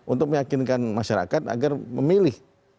untuk meyakinkan masyarakat agar memilih